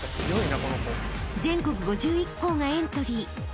［全国５１校がエントリー］